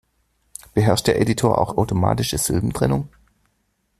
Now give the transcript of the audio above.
Beherrscht der Editor auch automatische Silbentrennung?